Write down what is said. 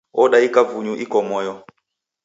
Odaika vunyu iko kimoyo.